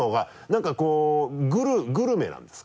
なんかこうグルメなんですか？